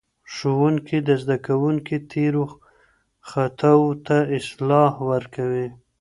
ښوونکی د زدهکوونکو تیرو خطاوو ته اصلاح ورکوي.